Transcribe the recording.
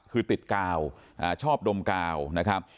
คือติดกาวชอบดมกาวนะครับ